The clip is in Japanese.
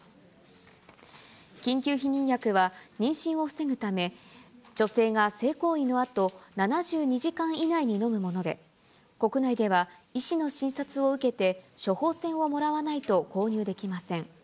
緊急避妊薬は、妊娠を防ぐため、女性が性行為のあと、７２時間以内に飲むもので、国内では医師の診察を受けて、処方箋をもらわないと購入できません。